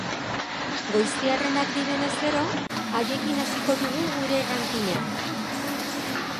Goiztiarrenak direnez gero, haiekin hasiko dugu gure rankinga.